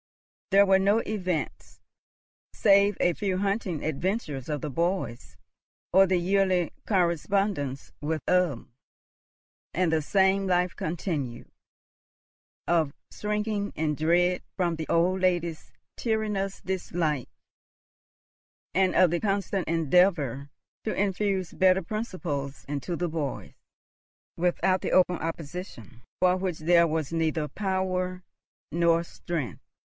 There were no events, save a few hunting adventures of the boys, or the yearly correspondence with Ulm; and the same life continued, of shrinking in dread from the old lady's tyrannous dislike, and of the constant endeavour to infuse better principles into the boys, without the open opposition for which there was neither power nor strength.